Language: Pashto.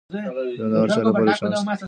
ژوند د هر چا لپاره یو چانس دی.